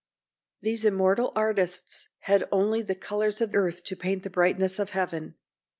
These immortal artists had only the colors of earth to paint the brightness of heaven.